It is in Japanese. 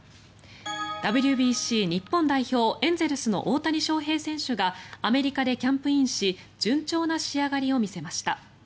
ＷＢＣ日本代表エンゼルスの大谷翔平選手がアメリカでキャンプインし順調な仕上がりを見せました。